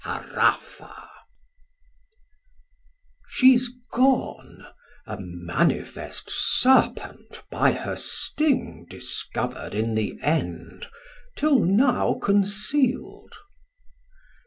Chor: She's gone, a manifest Serpent by her sting Discover'd in the end, till now conceal'd.